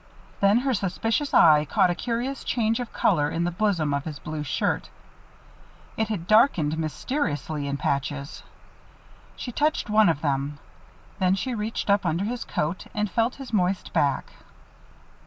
Then her suspicious eye caught a curious change of color in the bosom of his blue shirt. It had darkened mysteriously in patches. She touched one of them. Then she reached up under his coat and felt his moist back.